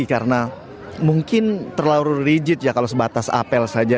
karena mungkin terlalu rigid ya kalau sebatas apel saja